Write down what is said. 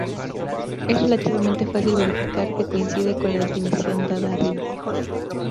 Es relativamente fácil verificar que coincide con la definición dada arriba.